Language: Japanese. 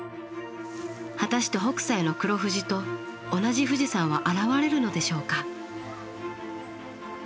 果たして北斎の「黒富士」と同じ富士山は現れるのでしょうか。